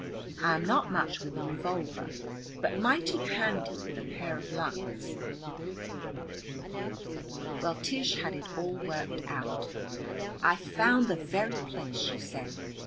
I am not much with a revolver, but mighty handy with a pair of lungs. Well, Tish had it all worked out. "I've found the very place," she said.